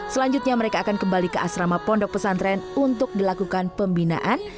selanjutnya mereka akan kembali ke asrama pondok pesantren untuk dilakukan pembinaan